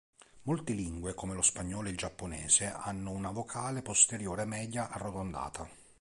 Molte lingue come lo spagnolo e il giapponese hanno una vocale posteriore media arrotondata.